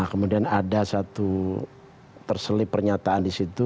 kemudian ada satu terselip pernyataan di situ